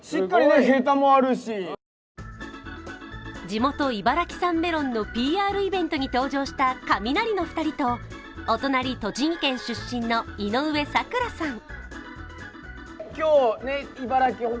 地元、茨城産メロンのＰＲイベントに登場したカミナリの２人と、お隣、栃木県出身の井上咲楽さん。